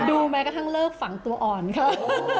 ดูเหมกระทั่งเลิกฝังตัวอ่อนครับ